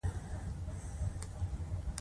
جورج بوش د چین په اړه سیاست دا ډول خلاصه کوي.